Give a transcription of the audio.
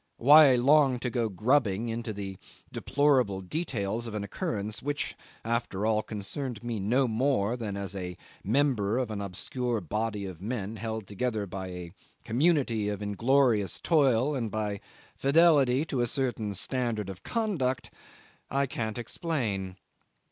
Why I longed to go grubbing into the deplorable details of an occurrence which, after all, concerned me no more than as a member of an obscure body of men held together by a community of inglorious toil and by fidelity to a certain standard of conduct, I can't explain.